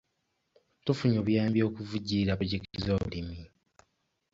Tufunye obuyambi okuvujjirira pulojekiti z'obulimi.